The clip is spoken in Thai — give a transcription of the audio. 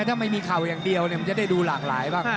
ถ้าไม่มีเข่าอย่างเดียวมันจะได้ดูหลากหลายบ้าง